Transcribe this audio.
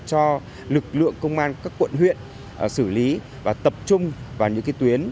cho lực lượng công an các quận huyện xử lý và tập trung vào những tuyến